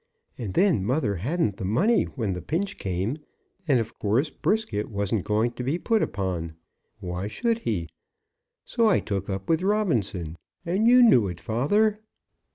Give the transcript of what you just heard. And then mother hadn't the money when the pinch came, and, of course, Brisket wasn't going to be put upon; why should he? So I took up with Robinson, and you knew it, father."